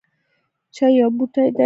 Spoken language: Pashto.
چای یو بوټی دی